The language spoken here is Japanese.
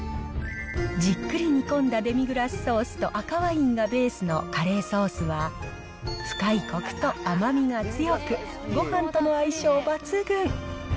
じっくり煮込んだデミグラスソースと赤ワインがベースのカレーソースは、深いコクと甘みが強く、ごはんとの相性抜群。